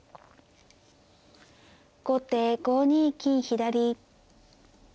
後手５二金左。